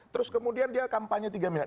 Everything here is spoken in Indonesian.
terus kemudian dia kampanye tiga miliar